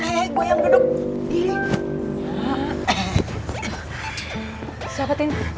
eh gue yang duduk